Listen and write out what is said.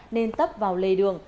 nên tấp vào lề đường